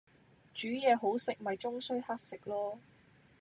煮嘢好食咪終須乞食囉